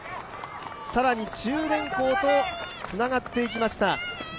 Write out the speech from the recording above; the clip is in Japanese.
更に中電工とつながっていきました。